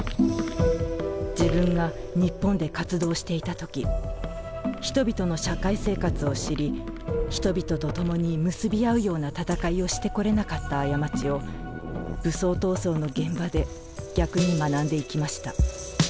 自分が日本で活動していた時人々の社会生活を知り人々と共に結び合うような斗いをしてこれなかった過ちを武装斗争の現場で逆に学んでいきました。